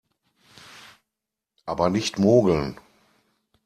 Aber nicht mogeln!